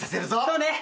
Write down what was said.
そうね。